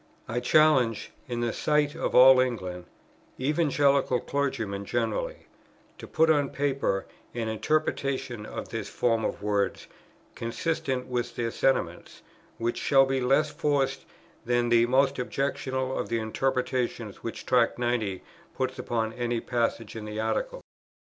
I challenge, in the sight of all England, Evangelical clergymen generally, to put on paper an interpretation of this form of words, consistent with their sentiments, which shall be less forced than the most objectionable of the interpretations which Tract 90 puts upon any passage in the Articles.